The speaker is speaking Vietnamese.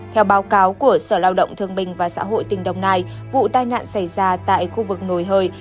theo báo cáo của sở lao động thương bình và xã hội tỉnh đồng nai vụ tai nạn xảy ra tại khu vực nồi